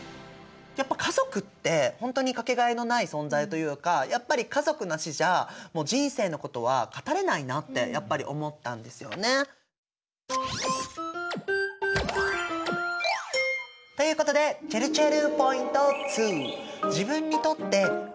やっぱ家族ってほんとにかけがえのない存在というかやっぱり家族なしじゃ人生のことは語れないなってやっぱり思ったんですよね。ということでちぇるちぇるポイント２。